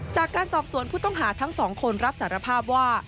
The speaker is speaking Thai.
จากการสอบสวนผู้ต้องหาทั้งสองคนรับสารภาพว่า